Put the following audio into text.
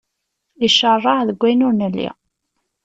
Iceṛṛeɛ deg wayen ur yelli.